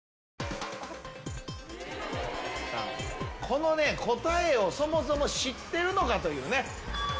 この答えをそもそも知ってるのか？